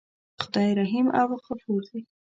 خدای رحیم او غفور دی.